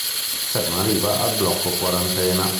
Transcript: Sam arriva al blocco quarantena.